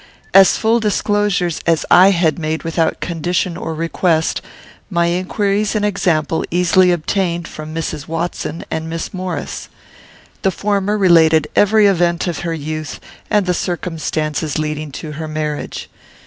As full disclosures as I had made without condition or request, my inquiries and example easily obtained from Mrs. Watson and Miss Maurice. The former related every event of her youth, and the circumstances leading to her marriage.